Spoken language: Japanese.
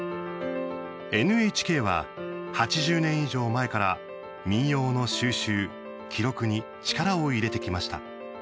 ＮＨＫは８０年以上前から民謡の収集、記録に力を入れてきました。